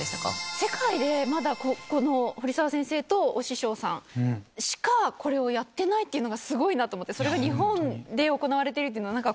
世界でまだこの堀澤先生とお師匠さんしかこれをやってないっていうのがすごいなと思ってそれが。